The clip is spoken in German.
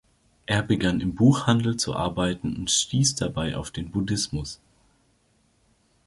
Er begann im Buchhandel zu arbeiten und stieß dabei auf den Buddhismus.